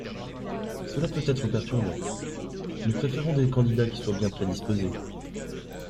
Cela peut être perturbant, nous préférons des candidats qui soient bien prédisposés